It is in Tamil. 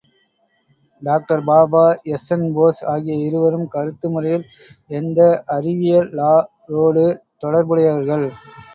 டாக்டர் பாபா, எஸ்.என்.போஸ் ஆகிய இருவரும் கருத்து முறையில் எந்த அறிவியலாரோடு தொடர்புடையவர்கள்?